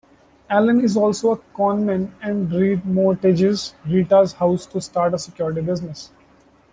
Alan is also a conman and re-mortgages Rita's house to start a security business.